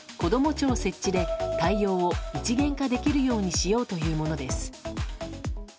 庁設置で対応を一元化できるようにしようというものです。